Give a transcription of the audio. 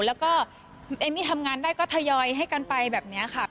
แล้วก็เอมมี่ทำงานได้ก็ทยอยให้กันไปแบบนี้ค่ะ